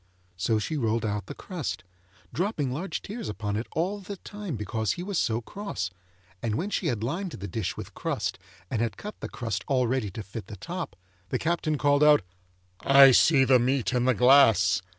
So she rolled out the crust, dropping large tears upon it all the time because he was so cross, and when she had lined the dish with crust and had cut the crust all ready to fit the top, the Captain called out, 'I see the meat in the glass!